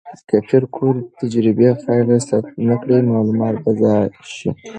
که پېیر کوري د تجربې پایله ثبت نه کړي، معلومات به ضایع شي.